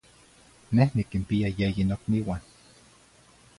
Neh niquimpiya yeyen nocniuan.